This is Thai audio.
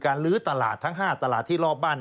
ลื้อตลาดทั้ง๕ตลาดที่รอบบ้าน